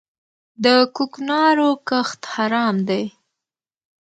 د کوکنارو کښت حرام دی؟